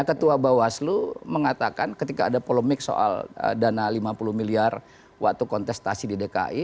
ketua bawaslu mengatakan ketika ada polemik soal dana lima puluh miliar waktu kontestasi di dki